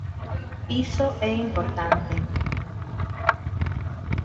Iso é importante.